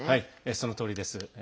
そのとおりです。